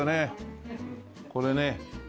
これね。